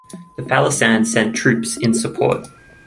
The Faliscans sent troops in support.